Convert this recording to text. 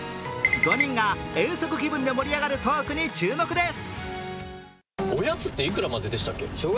５人が遠足気分で盛り上がるトークに注目です。